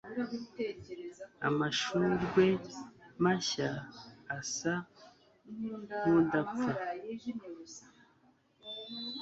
Amashurwe mashya asa nkudapfa